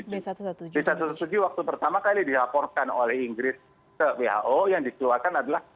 b satu ratus tujuh belas waktu pertama kali dilaporkan oleh inggris ke who yang disilakan adalah